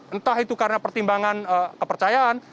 entah itu karena pertimbangan kepercayaan